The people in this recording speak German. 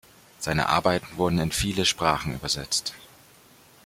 Seine Arbeiten wurden in viele Sprachen übersetzt.